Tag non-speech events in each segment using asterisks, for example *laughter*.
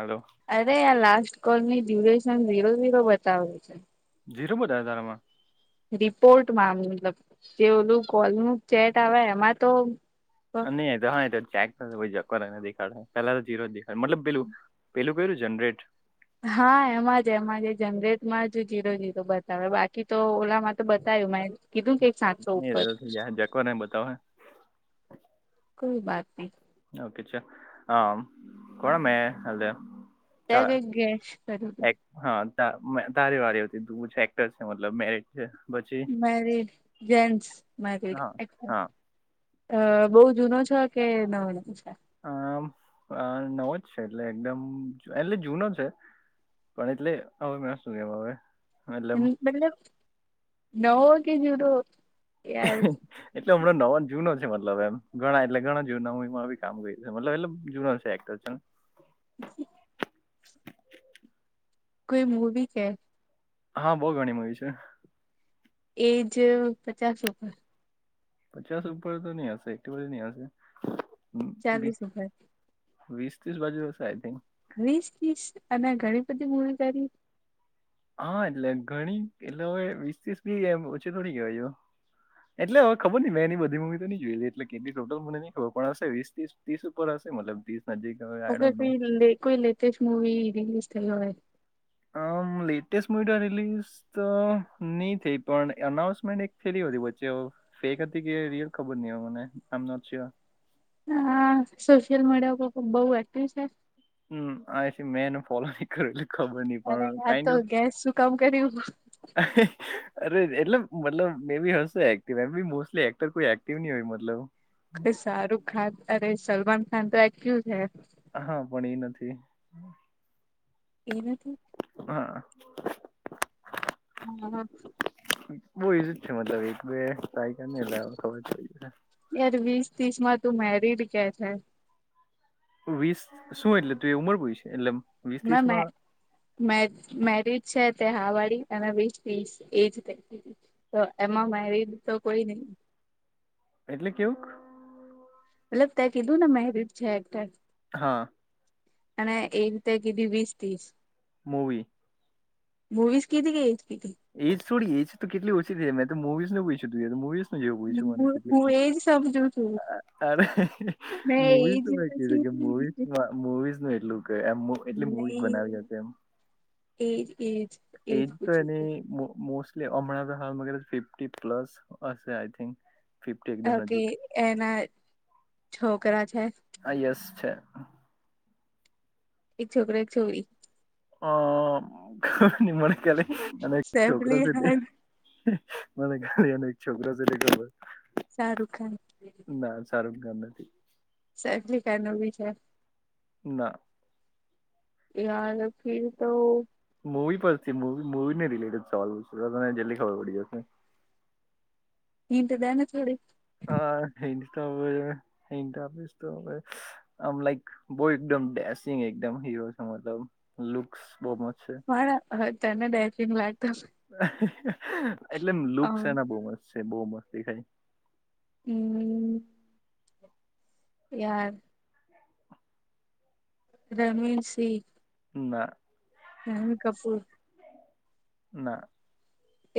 Hello અરે આ last કોલની ડ્યુરેશન ઝીરો ઝીરો બતાવે છે. ઝીરો બધાર તારમાં રિપોર્ટમાં મતલબ જે ઓલું કોલ નું ચેટ આવે એમાં તો કર દેખાડ પેલા તો જીરો જ દેખડે મતલબ પેલું પેલું વ જનરેટ હા એમાં જ એમાં જ જનરેટમાં જ જીરો જીરો બતાવે બાકી તો ઓ માં તો બતાવ્યું મે કીધું કે સાતસો નહી ઉપર જકવાને બતાવે કોઈ બાત નહી. ઓકે ચલહ કોણ મે હે હા ત્યાં કઈક ગેસ કર્યું એક હા- ત તારે વાળી *unintelligible* મતલબ મેરિટ છે પછી મેરિડ જેસ મેરડ- હા હા અ બહુ જૂનો છે કે ન વો છે. આમ નવો જ છે એટલે એકદમ એટલે જૂનો છે. પણ એટલે હવે મે શું કેમ હવે એ મતલબ નવો કે જુનો એટલે હમણાં નવા જૂનો છે મતલબ એમ ઘણા એટલે ઘણા જના કામ કરે મતલબ એ જૂનો છે એક્ટ જ *unintelligible* કોઈ મૂવી કે હા બહુ ઘણી બઘી છે. એજ પચાસ ઉપર પચાસ ઉપર તો નહી હશે એક નઈ હશે... હમ, વીસ ચાલીસ ઉપર વીસ ત્રીસ બાજુ હશે આઈ થિંક વીસ ત્રીસ અને ઘણી બધી મૂવી તારી હા એટલે ઘણી એટલે હવે વીસ ત્રીસ બી ઓછી થોડી કેવા એટલે હવે ખબર નઈ મેં એની બધી મુવી તો નની જોઈ હતી એટ કેલી ટોટલ મને નની ખબર પણ હશે વીસ તીસ તીસ ઉપર હશે. મતલબ તીસ. ઓ કોઈ કોઈ લેટેસ્ટ મુવી રિલીઝ થઈ હોય. હ. લેટેસ્ટ મડ રિલીઝ તો નહી થઈ પણ અનાઉન્સમેન્ટ એક થયેલી હો હતી વચ્ચે ફેક હતી કે રિયલ ખબર નહી હોય મને આમ નોટ સયોર. હા સોશિયલ મીડિયા ઉપર તુબહુ એક્ટિવ છે... હમ આ છે મેં એનું ફોલો ન કરે એટલે ખબર નહ અરે પણ આ કઈ તો નો ગેસ શું કામ કર્યું અરે એટલે મતલબ મે બી હ એક્ટી મોલી એક્ટર કોઈ એક્ટિવ હોય મતલબ શાહરુખ ખાન અરે સલમાન ખાન તો આય્યું જ હે હા પણ એ નથી એના થી *inaudible* *inaudible* હમ હ *unintelligible* બહુ એજ જ છે મતલબ એક બે દાયકા લ ખબરઈ યાર વીસ ત્રીસ માં તું મેરિડ કે છેય વીસ શું એટલે તું એ ઉમર પુછી એટલે વીસ ત્રીસ ના મે માં મે મેરીડ છે. હવાડી અને વીસ ત્રીસ એજ થ તો એમાં મારી તો કોઈ નહી.. એટલે કેવુંક મતલબ તં કીધું ને મેરીડ છે. એટલે હા. અને એક રીતે કીધી વીસ ત્રીસ મૂવી. મુવીસ કે કે કીધી એજ થોડી એજ તો કેટલી ઓછી થઈ મેં તો મુવીઝને પૂછ્યુંધું તો મવીઝ હું હું એજ સમજું છું. હડ મેં એજ મૂવીસ પછી મવી નહી મૂવીસ એમ એટલી મુવી બનાવી હ હતી એમ. એજ એજ એ એજ તો પૂછ્યું એને તું મોસ્ટ હમણા હાલ ફિફ્ટી પ્લસ અ આય થીક. ફફી એકદમ ઓકે નથી, એના છોકરા છે હા યસ છે. એક છોકરા એક છોકરી. હા. મ અને સૈફ છોકરો અલી સુધી ખાન મ ગાડી અને એક છોકરા છે ગલો શાહરૂખ ખાન. એમણે થી જ. સેફલિકા ન ભી છે. ના. યાર ફર તો મવી પરથીવી મવીને રિલેટેડ સવાલ તને જલ્દી ખબર પડી જશે. એ તો દના થોડી અ આમ લાઈક બ એકમ ડસિંગ એકમ. છે મતલબ લુક્સ બહ મસ્ત. છે. મા તને દ લાગ એટલેમ લુક છે હમ એના બહ મસ્ત છે બહ મસ્ત દેખાય. હમ. યાર. રણવીણ સિંહ. ના. હમ કપૂર. ના.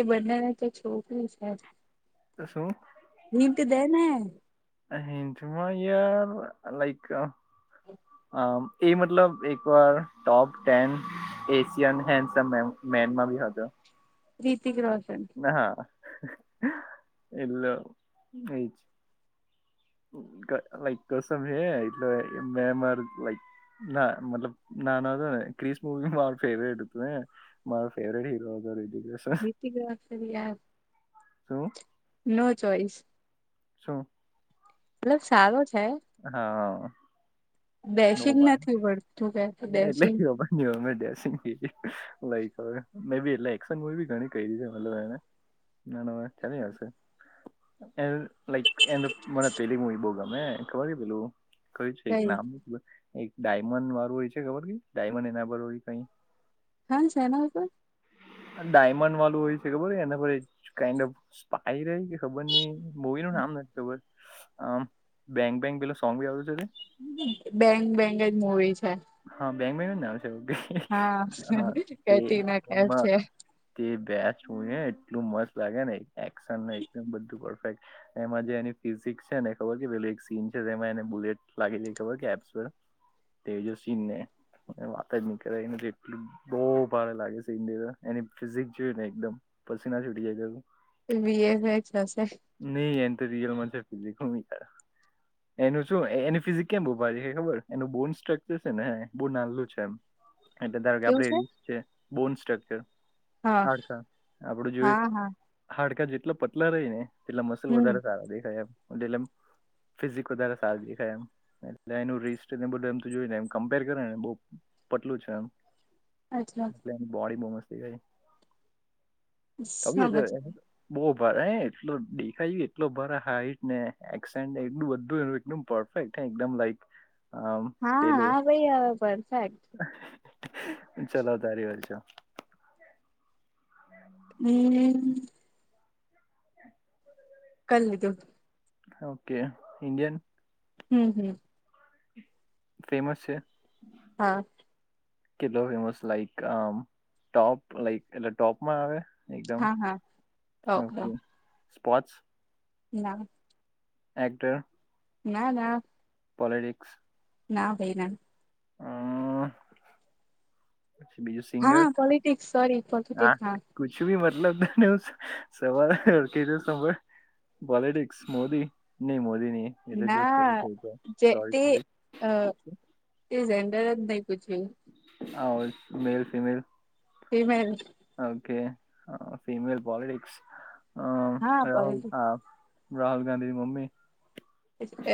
એ બંનેને તો છોકરી છે આજ. તોસું. હનીમ તો દે. અમાં યાર લાઈક અ એ મતલબ એક વાર ટોપ ટેન એશયન હેન્ડ મેનમાં બી હતો. રીતિ ગ્રો હ એલો એ જ. લાઈક કસમ હે એટલે બેમાર લાઈક. ના મતલબ ના ના હતો ને ક્રિસ મુવી મારું ફેવરેટ હતું, મારો ફેવરેટ હીરો હતો. *unintelligible* રિતિક યાર, શું નો ચોઈસ. શું? અલ સારો છે હા. નભ ડેશિંગ નથી પડતું કે એટ *unintelligible* મે ડેશિંગ એટલેશની ઘણી ક છે મલને. ના ના ચ્યારે આવશે. એ લાઈક એ તો મને પેલીંગું એ બહ ગમે. ખબર કે પેલું કય છે એક કઈ નામ. એક ડાયમંડ વાળું હોય છે ખબર કે ડાયમંડ એના પરર હોય કઈ હા શેના પર ડાયમંડ વાળું હોય છે ખબર હો એના પર કાન્ડ ઓફ સ્પાઈ ર કે ખબર નઈ મૂવી નું નામ નથી ખબર આમ બેક બેક પેલો સોંગ ભી આવડું છે બેંગ બેંગ જ મુવી છે હા બેંગ ના આવ હા છે કેટરીના કેફ છે હ તે બેસ *inaudible* એટલું મસ્ત લાગે એક્શનને બધું પરફેક્ટ એમાં જે એની ફિઝિકસ છે ખબર પેલુ એક સીન છે તેમાં એને બુલેટ લાગી છે ખબર એપ્સ પર ચીનને વાત જ નીકળે એનેટલ બહુ ભારે લાગે સીન એની ફિઝિક જોય ને એકદમ પસી ના છૂટી જાયું એ વીએફએક્સ હશે નહી એ તો રિયલમાં થતુ હતુને ત્યારે એનું શું એની ફિઝિક કેમ બહુ ભારી છે ખબર એનું બોન સ્ટ્રક્ચર છે ને બહુ નાલું છે એમ એટલે ધારો કે કેવું છે આપે બોન સ્ટ્રક્ચર હા હાડકા આપડું જોય હા હા હાડકા જેટલો પતલા રહી ને એટલા મસલ હમ વધારે સારા દેખાય એટલે ફિઝિક વધારે સારું દેખાય એમ એટલે એ રીસ્ટ બધું એમ જોયને કમ્પેર કરો ને બ પટલું છે એમ અચ્છા એટલે એની બોડી બહ મસ્તી ગઈ તબિયત સમજ એ તો ગઈ બહુ ભારે હ એ દેખાય કે એટલો બરા હાઈટ ને એસેને એટલું બધું પરફેક્ટ લક હા હા ભાઈ આવે પરફેક્ટ ચલો તારી વાર છે હમ કલ *inaudible* ઓકે ઇન્ડિયન હમ હમ ફેમસ છે હા કેટલો ફેમસ લાઈક ટોપ લાઇક એટલે ટોપમાં આવે એકદમ હા હા હવ હવ ઓકે સ્પોર્ટ્સ ના એકટર ના ના પોલીટિક્સ ના ભાઈ ના બીજું સિંગર હા પોલિટિક્સ સોરી હા પોલિટિક્સ કુછ બી મતલબ *inaudible* લધને હું સવારે કીધુ *inaudible* પોલિટિક્સ મોદી નહી મોદી નહી એટલે ના થ જે સોરી તે સ અ *inaudible* તે ઝેન્ડર જ નહી પૂછ્યું હ મેલ ફિમેલ ફીમેલ હા ફિમેલ પોલિટિક્સ હા રાહુલ પડેલું રાહુલ ગાંધીની મમ્મી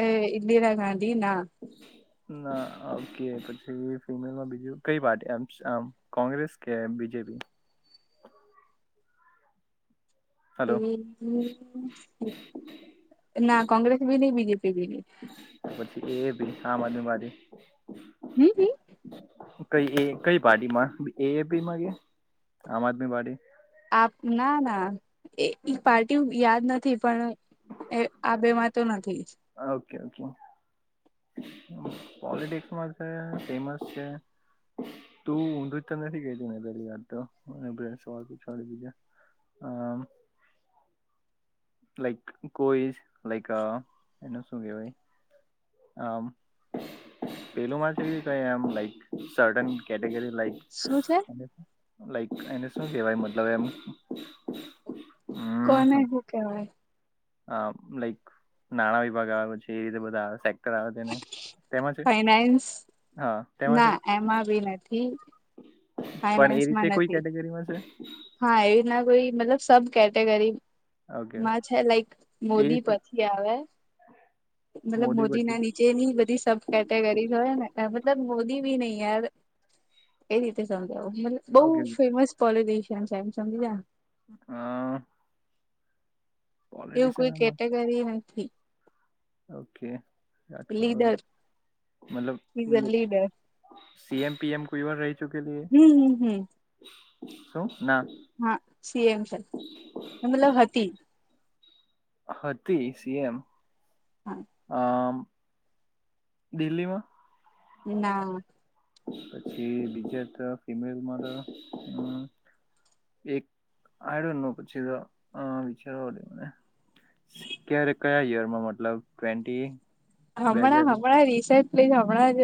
એ ઈન્દિરા ગાંધી ના ના ઓકે પછી ફિમેલમાં બીજું કઈ પાર્ટીમ આમ કોંગ્રેસ કે બીજે *inaudible* હલો ના કોંગ્રેસ બી નહી બીજેપી બી નહી પછી એ ભી આમ આદમી હમ *inaudible* ક એ કઈ પાર્ટીમાં એપી માં કે આમ આદમી પાર્ટી? આપ ના ના એ ઈ પાર્ટી યાદ નથી પણ એ આ બે માં તો નથી. ઓકે ઓકે પોલિટિક્સમાં છે ફેમસ છે. તું ઊંધું જ નથી કેથીપેલી વાત તો મને સવાલ પુછવાની લીઘે હમ લાઈક કોઈ લાઈક એનું શું કેવાય આ પેલું મા ક એમ લાઈક સર્ટન કેટેગરી લાઈક શું છે લાઈક એને શું કેવાય મતલબ એમ કોને શું કવાય હ લાઈક નાણા વિભાગ આવે છે એ રીતે બધા કરાવ તેને તેમાં છે ફાઈનાન્સ હા તેમાં છે ના એમાં બી નથી. પણ એ ફાઈનાન્સમાં રીતે કોઈ નથી કેટેગરીમાં છે હા એવી ના કોઈ મતલબ સબ કેટેગરી ઓકે માં છે લાઈક એ મોદી પછી આવે મતલબ મોદી ના નીચેની બધી સબ કેટેગરી હોય ને મતલબ મોદી બી નહી યાર એ રીતે સમજાવું ઓકે બહ ફેમસ પોલી એમ છેસજી જાવાજ નુ હ એવું કોઈ કેટેગરી નથી. ઓકે લીડર ઇઝ અ મતલબ લીડર સીએમ પીએમ કોઈ વા રહી શુકેલી હમ હમ હમ શું? ના હા સી એમ છે મતલબ હતી. હતી સી એમ હા આ દિલ્હીમાં ના પછી બીજા ફિમેલ મારા એક આડો નોપછી વિચારવા મને ક્યારે કયા યરમાં મતલબ ટવેન્ટી હમણાં હમણાં રિસેચ પ્લી હમણાં જ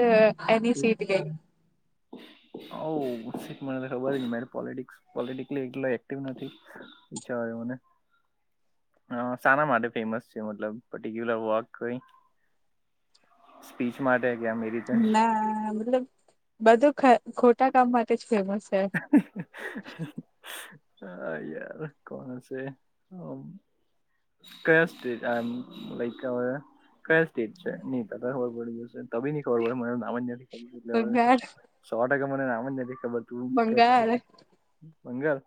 એની સીટ ગઈ હો મને ખબર નય પોલેટીસ પોલ નથી વિચાર વાદે મને હ સના માટે ફેમસ છે મતલબ પર્ટિક્યુલર વોક કોઈ સ્પીચ માટે કે આમ એ રીતે? ના મતલબ બધું ખોટા કામ માટે ફેમસ છે. હા યાર કોણ હસે કયા સ્ટેજ આમ લાયક કઈ સ્ટીજ છે નહી ત ખબર પડી જશે અબી ન ખબર પડે મને નામ જ નથી ખબર એટલે હવે બંગાળ સો ટકા મને નામ જ નથી ખબર તું કેતી છે બંગાળ બંગાલ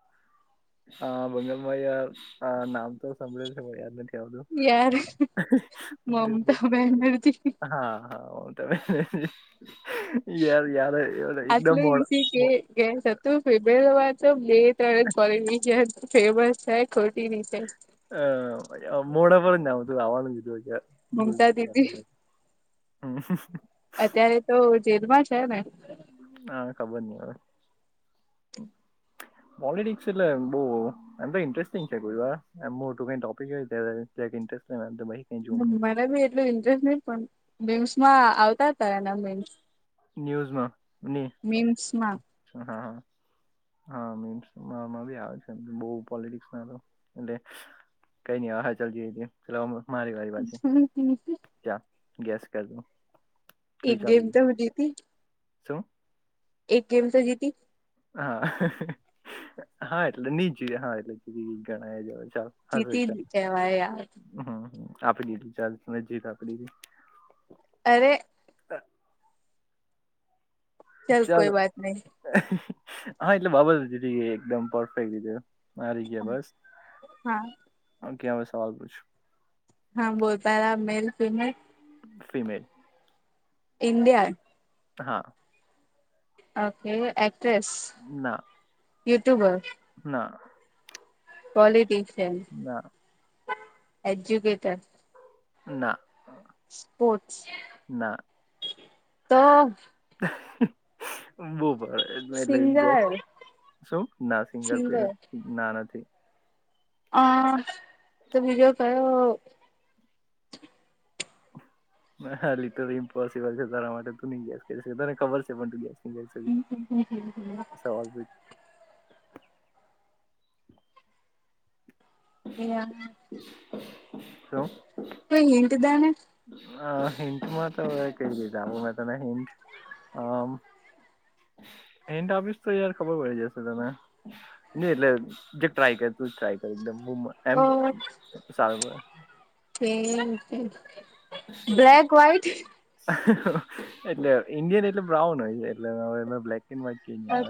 હા બંગાલ માં યાર નામ તો સાંભળે છે યાદ નથી યાર મમતા બેનર્જી હા હા તમે યાર યાર એ એકદમ મોડા તું ફેબલ વા તો મે ત કોલેની જે ફેમસ છે ખોટી રીતે અ મોડા પર જ ના તું આવવાનું દીધું. મુમતા દીદી હમ. અત્યારે તો જેલમાં જ હા, ખબર નહીં હવે. પોલિટિક્સ એટલે બઉ એમ તો ઇન્ટરેસ્ટિંગ છે, મોટું કંઈ ટોપિકસ. સ્ટ *unintelligible* મને બી એટલું ઇન્ટરેસ્ટ નહીં, પણ મેમ્સ માં આવતા હતા એના મેમસ. ન્યૂઝમાં નહીં, મીમ્સમાં હા હ. હા, મીમ્સમા બી આવે છે બહુ પોલિટિક્સ ના, એટલે કંઈ નહી, વાહ ચાલતી હતી. મારી વાળી પાછી ચાલ. ગેસ કરજો. એક ગેમ વિચારી દો તો હજી હતી. શું? એક ગેમ તો જીતી. હા હા, એટલે નીચું હા એટલે જ ગણાય વળી. ચાલ, હ જીતી જ ચાલ, કહેવાય યાર હમ આપી દીધું. ચાલ, તમે જી કકડી હતી. અરે. ત્ર *unintelligible* ચલ ચાલો, કોઈ બાત નહી હા એટલે બાબતી થઈ ગઈ એકદમ પરફેક્ટ રીતે. મારી ગયા બસ, હા ક્યા? હવે સવાલ પૂછો. હા, બોલ, પહેલા મેલ કરે. ફિમેલ. ઇન્ડિયન. હા. Okay, actress. ના. યુટ્યુબર. હ. Qualification educated. ના. સ્પોર્ટસ ના તો બરાબર. લઈ ગયા સિંગર શું? ના, સિંગર ના નથી. હા, તો બીજો કયો? હા, લિટર ઇમ્પોસિબલ છે તારા માટે. તું નહીં ગેસ કહી શકે, તને ખબર છે, પણ તું ગેસ જ સવાલ પૂછ. અહીંયા. હલો. એ એન્ટ દનેે અરે, હિન્ટમાં તો કેવી દીધા મે તને હિન્ટ. એડ ઓફીસ તો યાર, ખબર પડી જશે. તમે નહીં, એટલે જે ટ્રાય કરી. ટ્રાય, એમ સારું. હ, બ્લેક વાઈટ. એટલે ઈન્ડિયન એટલે બ્રાઉન હોય છે, એટલે હવે બ્લેક એન્ડ વ્હાઈટ કંઈ અ આવે?